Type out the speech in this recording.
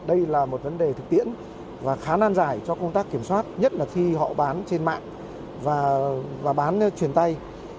đây là một vấn đề thực tiễn và khá nan giải cho công tác kiểm soát nhất là khi họ bán trên mạng và bán chuyển tay